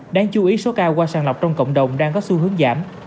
đáng chú ý số ca qua sàng lọc trong cộng đồng đang có xu hướng giảm